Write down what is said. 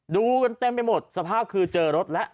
ดูกันเต็มไปหมดสภาพคือเจอรถแล้ว